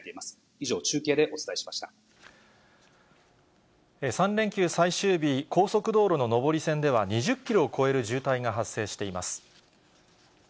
以上、中継で３連休最終日、高速道路の上り線では２０キロを超える渋滞が発生しています。